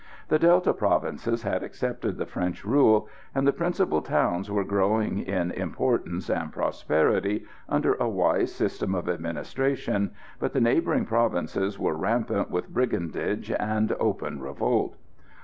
The Delta provinces had accepted the French rule, and the principal towns were growing in importance and prosperity under a wise system of administration, but the neighbouring provinces were rampant with brigandage and open revolt.